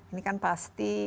ini kan pasti